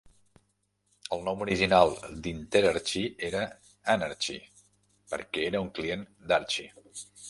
El nom original d'Interarchy era "Anarchie" perquè era un client d'Archie.